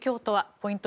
ポイント